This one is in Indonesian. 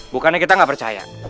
bukannya kita gak percaya